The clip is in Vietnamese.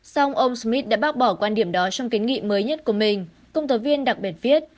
sau ông smith đã bác bỏ quan điểm đó trong kến nghị mới nhất của mình công tố viên đặc biệt viết